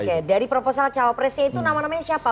oke dari proposal cawapresnya itu nama namanya siapa